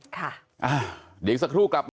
ค่ะเดี๋ยวอีกสักครู่กลับมา